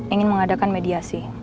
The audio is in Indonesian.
ingin mengadakan mediasi